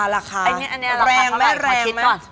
ราคาแรงไหม